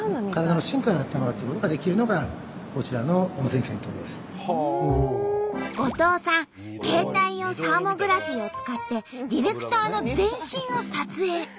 あったまってるんですが後藤さん携帯用サーモグラフィーを使ってディレクターの全身を撮影。